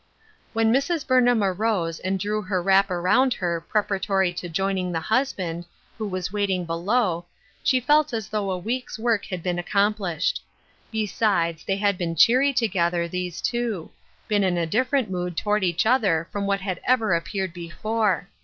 When Mrs. Burnham arose and drew her wrap around her preparatory to joining the husband, who was waiting below, she felt as though a week's work had been accomplished. Besides, they had been cheery together, these two — been in a different mood toward each other from what had ever appeared before.